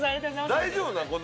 大丈夫なん？